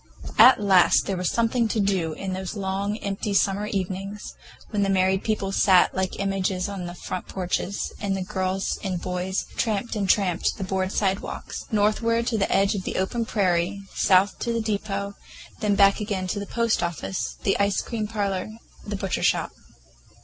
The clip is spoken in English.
At last there was something to do in those long, empty summer evenings, when the married people sat like images on their front porches, and the boys and girls tramped and tramped the board sidewalks—northward to the edge of the open prairie, south to the depot, then back again to the post office, the ice cream parlor, the butcher shop.